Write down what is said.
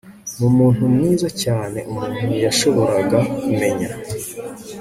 mumuntu mwiza cyane umuntu yashoboraga kumenya